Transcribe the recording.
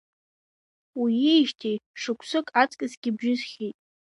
Уиижьҭеи шықәсык аҵкысгьы бжьысхьеит.